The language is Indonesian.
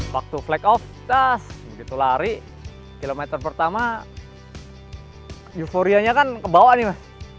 waktu flag off tas begitu lari kilometer pertama euforianya kan kebawa nih mas